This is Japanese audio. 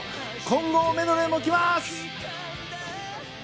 混合メドレーもきます！